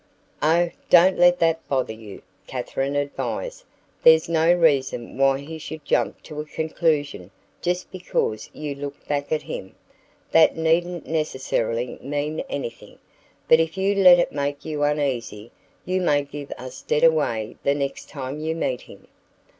"Oh don't let that bother you," Katherine advised. "There's no reason why he should jump to a conclusion just because you looked back at him. That needn't necessarily mean anything. But if you let it make you uneasy, you may give us dead away the next time you meet him."